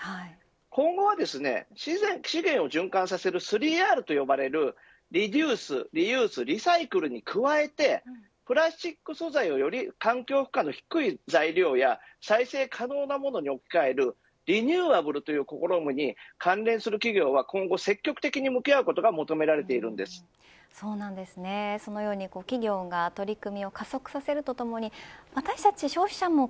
今後は、資源を循環させる３Ｒと呼ばれるリデュース、リユースリサイクルに加えてプラスチック素材をより環境負荷の低い材料や再生可能なものに置き換えるリニューアブルという試みに関連する企業は今後、積極的に向き合うことがそのように企業が取り組みを加速させるとともに私たち消費者も